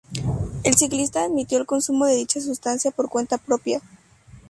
El ciclista admitió el consumo de dicha sustancia por cuenta propia.